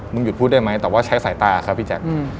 หยุดพูดได้ไหมแต่ว่าใช้สายตาครับพี่แจ๊ค